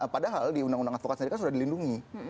padahal di undang undang advokat sendiri kan sudah dilindungi